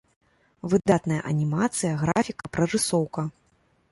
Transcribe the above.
Выдатная анімацыя, графіка, прарысоўка.